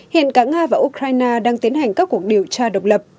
hiện cả nga và ukraine đang tiến hành các cuộc điều tra độc lập